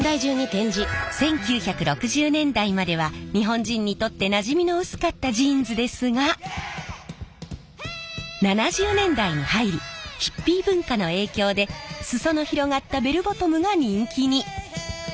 １９６０年代までは日本人にとってなじみの薄かったジーンズですが７０年代に入りヒッピー文化の影響で裾の広がったベルボトムが人気に。